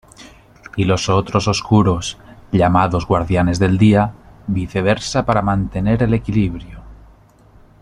Y los Otros Oscuros, llamados Guardianes del Día, viceversa para mantener el equilibrio.